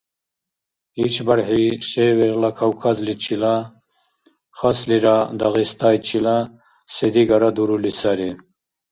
ИшбархӀи Северла Кавказличила, хаслира – Дагъистайчила се-дигара дурули сари.